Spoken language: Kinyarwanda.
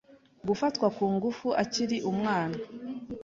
Gufatwa ku ngufu akiri umwana